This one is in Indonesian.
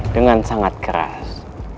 dengan sangat keras